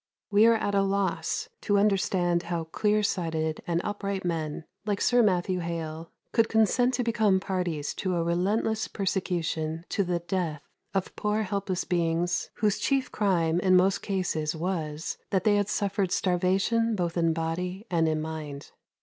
We are at a loss to understand how clear sighted and upright men, like Sir Matthew Hale, could consent to become parties to a relentless persecution to the death of poor helpless beings whose chief crime, in most cases, was, that they had suffered starvation both in body and in mind.